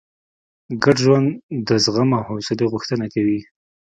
ګډ ژوند د زغم او حوصلې غوښتنه کوي.